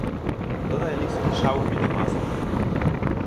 Dodaj listki szałwii do masła.